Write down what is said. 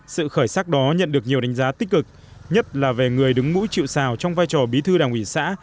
sự khởi sắc đó nhận được nhiều đánh giá tích cực nhất là về người đứng mũi chịu xào trong vai trò bí thư đảng ủy xã